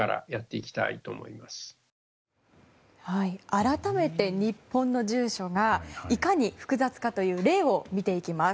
改めて日本の住所がいかに複雑かという例を見ていきます。